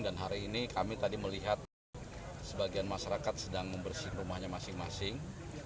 dan hari ini kami tadi melihat sebagian masyarakat sedang membersih rumahnya masing masing